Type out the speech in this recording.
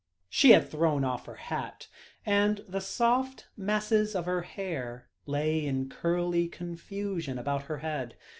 She had thrown off her hat, and the soft masses of her hair lay in curly confusion about her head.